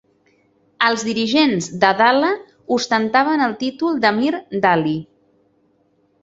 Els dirigents de Dhala ostentaven el títol d'"Amir Dali".